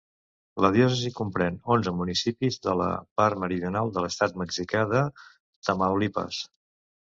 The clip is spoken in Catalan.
La diòcesi comprèn onze municipis de la part meridional de l'estat mexicà de Tamaulipas.